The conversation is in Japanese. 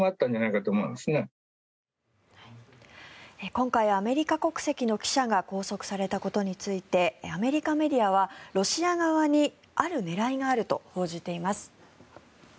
今回アメリカ国籍の記者が拘束されたことについてアメリカメディアはロシア側にある狙いがあると報じています。